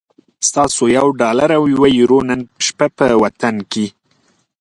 ستاسو یو ډالر او یوه یورو نن شپه په وطن کی